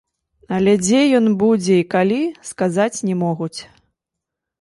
Але дзе ён будзе і калі, сказаць не могуць.